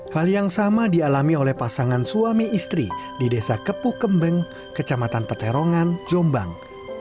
hal yang sama dialami oleh pasangan suami istri di desa kepuh kembeng kecamatan peterongan jombang